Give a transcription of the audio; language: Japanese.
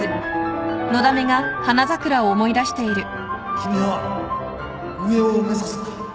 君は上を目指すんだ。